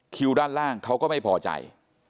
ด้านล่างเขาก็ไม่พอใจ